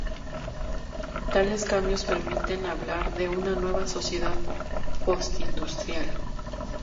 Tales cambios permiten hablar de una nueva sociedad postindustrial.